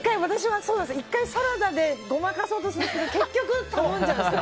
１回サラダでごまかそうとするんですけど結局、頼んじゃうんです。